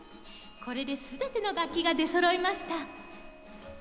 これで全ての楽器が出そろいました。